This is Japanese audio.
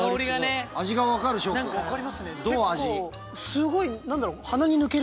すごい何だろう？